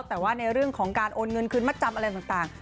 แต่ว่าในเรื่องของการโอนเงินคืนมาจำอะไรต่าง